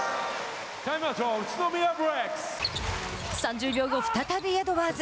３０秒後、再びエドワーズ。